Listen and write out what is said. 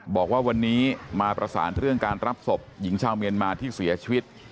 บอกว่าวันนี้มาประสานเรื่องการรับศพหญิงชาวเมียนมาที่เสียชีวิต